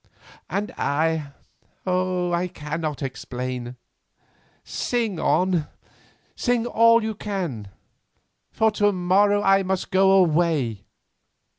"And I—oh, I cannot explain! Sing on, sing all you can, for to morrow I must go away."